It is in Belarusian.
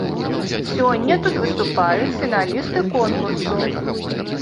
Сёння тут выступаюць фіналісты конкурсу.